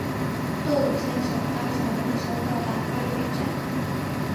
豆豆先生搭乘火车到达巴黎北站。